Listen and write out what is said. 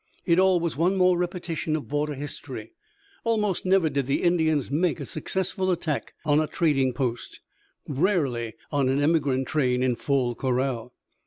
It all was one more repetition of border history. Almost never did the Indians make a successful attack on a trading post, rarely on an emigrant train in full corral.